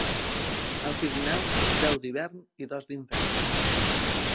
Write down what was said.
Al Pirineu, deu d'hivern i dos d'infern.